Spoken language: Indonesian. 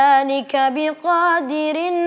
aku mau bekerja